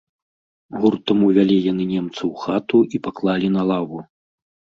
Гуртам увялі яны немца ў хату і паклалі на лаву.